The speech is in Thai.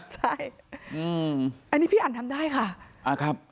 ใช่อืมอันนี้พี่อันทำได้ค่ะอ่าครับ